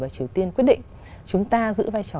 nên quyết định chúng ta giữ vai trò